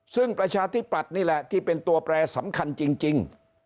ซึ่งประชาธิปัตย์นี่แหละที่เป็นตัวแปรสำคัญจริง